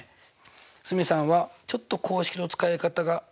蒼澄さんはちょっと公式の使い方が。